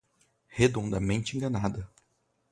Redondamente enganada